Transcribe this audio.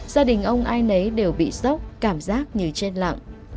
gia đình ông ai nấy đều bị sốc cảm giác như trên lặng